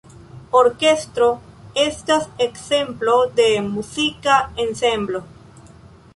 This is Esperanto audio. Orkestro estas ekzemplo de muzika ensemblo.